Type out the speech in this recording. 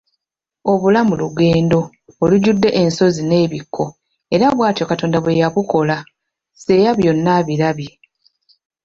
Obulamu lugendo olujjudde ensozi n'ebikko era bw'atyo Katonda bwe yabukola, Seya byona abilabye.